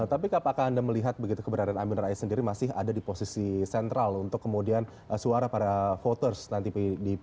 tapi apakah anda melihat begitu keberadaan amin rais sendiri masih ada di posisi sentral untuk kemudian suara para voters nanti di